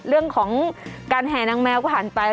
เรื่องของการแห่นางแมวก็ผ่านไป